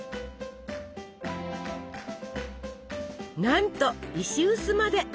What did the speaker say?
なんと石臼まで！